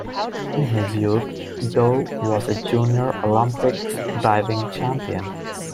In his youth, Dow was a Junior Olympics diving champion.